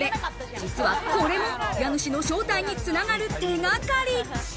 実はこれも家主の正体につながる手掛かり。